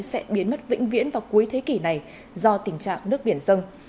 sẽ biến mất vĩnh viễn vào cuối thế kỷ này do tình trạng nước biển dâng